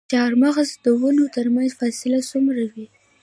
د چهارمغز د ونو ترمنځ فاصله څومره وي؟